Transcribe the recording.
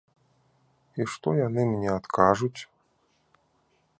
І што яны мне адкажуць?